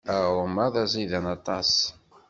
Aɣrum-a d aẓidan aṭas.